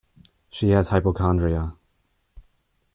She has hypochondria.